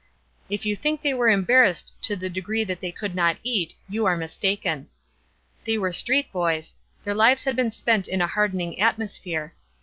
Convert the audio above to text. If you think they were embarrassed to the degree that they could not eat, you are mistaken. They were street boys; their lives had been spent in a hardening atmosphere.